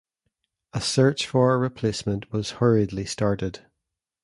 A search for a replacement was hurriedly started.